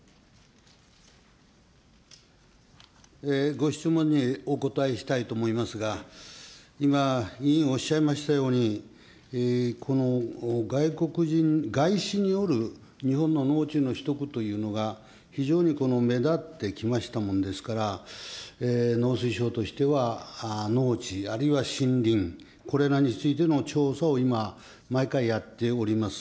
ご質問にお答えしたいと思いますが、今、委員おっしゃいましたように、この外国人、外資による日本の農地の取得というのが、非常に目立ってきましたもんですから、農水省としては、農地あるいは森林、これらについての調査を今、毎回やっております。